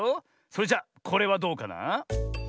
それじゃこれはどうかな？